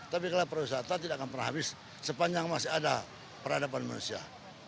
tapi kalau pariwisata tidak akan pernah habis sepanjang masih ada peradaban manusia